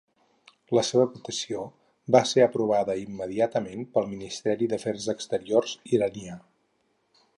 La seva petició va ser aprovada immediatament pel Ministeri d'Afers Exteriors iranià.